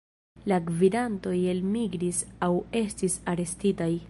La gvidantoj elmigris aŭ estis arestitaj.